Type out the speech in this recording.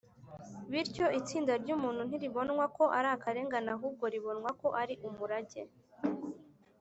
bityo, itsinda ry’umuntu ntiribonwa ko ari akarengane ahubwo ribonwa ko ari umurage